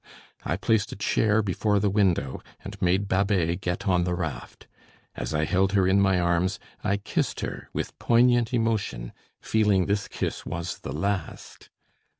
I placed a chair before the window and made Babet get on the raft. As I held her in my arms I kissed her with poignant emotion, feeling this kiss was the last.